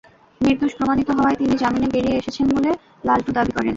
নির্দোষ প্রমাণিত হওয়ায় তিনি জামিনে বেরিয়ে এসেছেন বলে লালটু দাবি করেন।